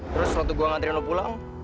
terus waktu gue ngantri lo pulang